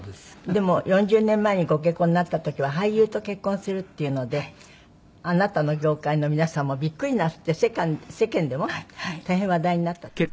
でも４０年前にご結婚になった時は俳優と結婚するっていうのであなたの業界の皆さんもびっくりなすって世間でも大変話題になったとかって。